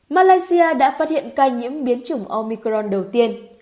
malaysia đã phát hiện ca nhiễm biến chủng omicron đầu tiên